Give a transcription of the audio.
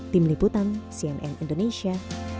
tim liputan cnn indonesia